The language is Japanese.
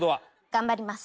頑張ります。